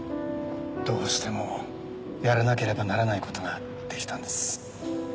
どうしてもやらなければならないことができたんです